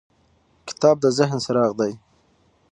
کتاب د ذهن څراغ دی.